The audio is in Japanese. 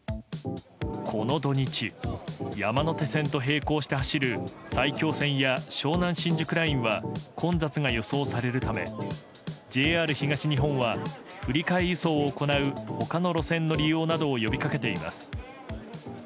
この土日山手線と平行して走る埼京線や湘南新宿ラインは混雑が予想されるためＪＲ東日本は振り替え輸送を行う他の路線の利用などを呼びかけています。